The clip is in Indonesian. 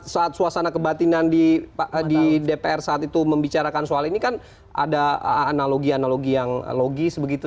saat suasana kebatinan di dpr saat itu membicarakan soal ini kan ada analogi analogi yang logis begitu